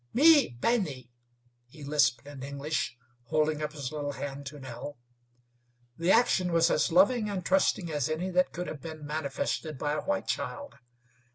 "Me Benny," he lisped in English, holding up his little hand to Nell. The action was as loving and trusting as any that could have been manifested by a white child.